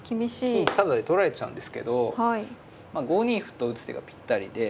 金タダで取られちゃうんですけど５二歩と打つ手がぴったりで。